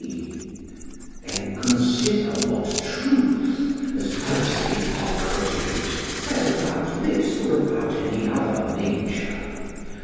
SOCRATES: Then consider what truth as well as Hippocrates says about this or about any other nature.